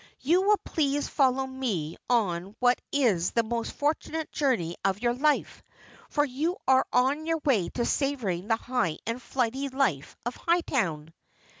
You will please follow me on what is the most fortunate journey of your life for you are on your way to savoring the high and flighty life of Hightown."